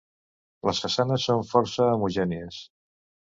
Les façanes són força homogènies.